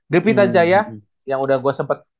di pita jaya yang udah gue sempet